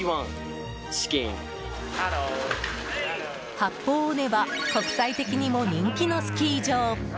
八方尾根は国際的にも人気のスキー場。